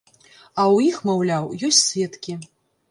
А ў іх, маўляў, ёсць сведкі.